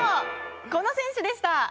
この選手でした。